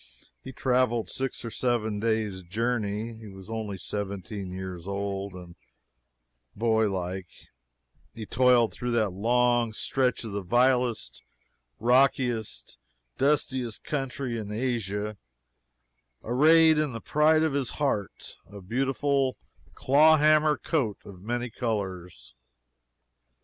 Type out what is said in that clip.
He traveled six or seven days' journey; he was only seventeen years old, and, boy like, he toiled through that long stretch of the vilest, rockiest, dustiest country in Asia, arrayed in the pride of his heart, his beautiful claw hammer coat of many colors.